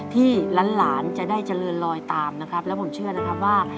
ที่หลานจะได้เจริญลอยตามนะครับแล้วผมเชื่อนะครับว่า